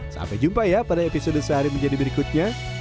sampai jumpa ya pada episode sehari menjadi berikutnya